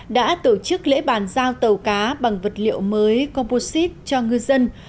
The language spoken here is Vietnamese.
đã tổ chức lễ bàn giao tàu cá bằng vật liệu mới composite cho ngư dân